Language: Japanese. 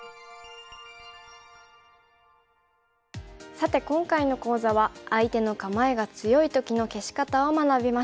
さて今回の講座は相手の構えが強い時の消し方を学びました。